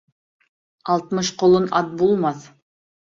Алтмыш ҡолон ат булмаҫ.